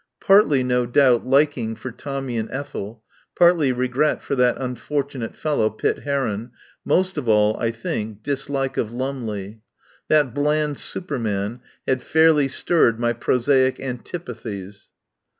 Partly, no doubt, liking for Tommy and Ethel, partly regret for that unfortunate fellow Pitt Heron,* most of all, I think, dislike of Lumley. That bland super man had fairly stirred my prosaic antipathies.